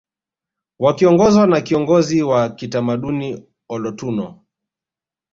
Wakiongozwa na kiongozi wa kitamaduni olotuno